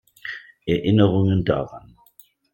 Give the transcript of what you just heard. Erinnerungen daran.